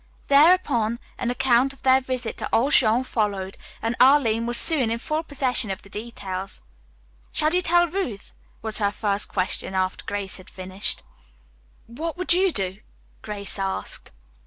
There upon an account of their visit to old Jean followed, and Arline was soon in full possession of the details. "Shall you tell Ruth?" was her first question after Grace had finished. "What would you do?" Grace asked.